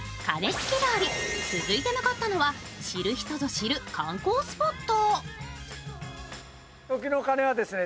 鐘つき通り、続いて向かったのは知る人ぞ知る観光スポット。